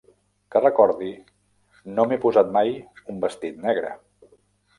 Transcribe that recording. Que recordi, no m'he posat mai un vestit negre.